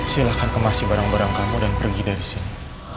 silahkan kemasi barang barang kamu dan pergi dari sini